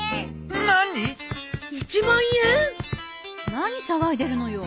何騒いでるのよ。